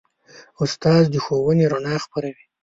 استاد د ښوونې رڼا خپروي.